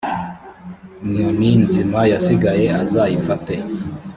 nyoni nzima yasigaye azayifate